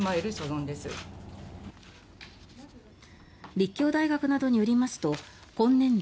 立教大学などによりますと今年度